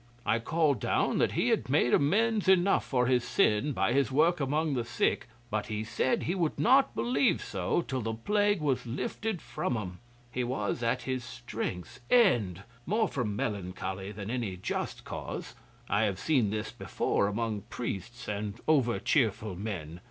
I called down that he had made amends enough for his sin by his work among the sick, but he said he would not believe so till the plague was lifted from 'em. He was at his strength's end more from melancholy than any just cause. I have seen this before among priests and overcheerful men.